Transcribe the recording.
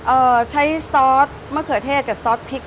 เอ่อใช้ซอสมะเขือเทศกับซอสพริก